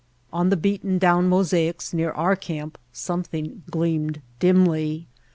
On one of the beaten down mosaics near our camp something gleamed dimly.